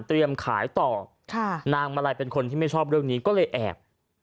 ขายต่อค่ะนางมาลัยเป็นคนที่ไม่ชอบเรื่องนี้ก็เลยแอบ